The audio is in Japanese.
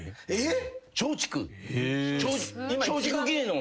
えっ？